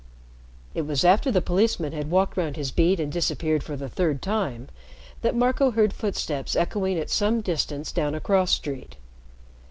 It was after the policeman had walked round his beat and disappeared for the third time, that Marco heard footsteps echoing at some distance down a cross street.